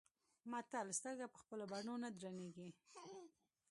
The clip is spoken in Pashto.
متل : سترګه په خپلو بڼو نه درنيږي.